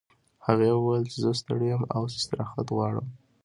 هغې وویل چې زه ستړې یم او استراحت غواړم